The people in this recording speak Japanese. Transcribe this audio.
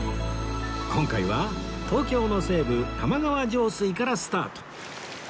今回は東京の西部玉川上水からスタート